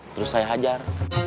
terus saya hajar